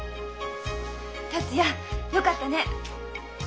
達也よかったね。